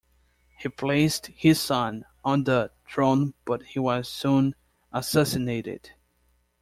He placed his son on the throne but he was soon assassinated.